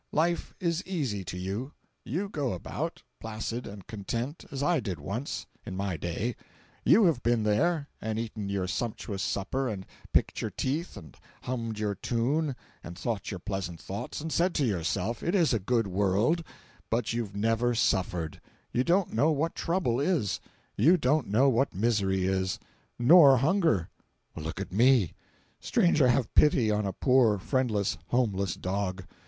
Life is easy to you—you go about, placid and content, as I did once, in my day—you have been in there, and eaten your sumptuous supper, and picked your teeth, and hummed your tune, and thought your pleasant thoughts, and said to yourself it is a good world—but you've never suffered! You don't know what trouble is—you don't know what misery is—nor hunger! Look at me! Stranger have pity on a poor friendless, homeless dog!